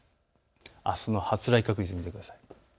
あすの発雷確率を見てください。